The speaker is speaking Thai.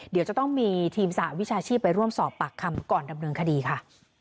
เดี๋ยวจะต้องมีทีมสหวิชาชีพไปร่วมสอบปากคำก่อนดำเนินคดีค่ะ